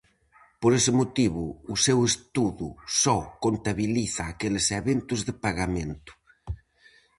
Por ese motivo, o seu estudo só contabiliza aqueles eventos de pagamento.